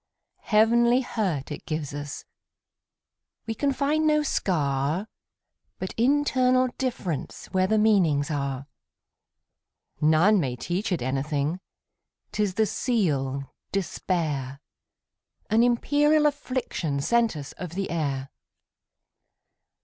Heavenly hurt it gives us; We can find no scar, But internal differenceWhere the meanings are. None may teach it anything,'T is the seal, despair,—An imperial afflictionSent us of the air.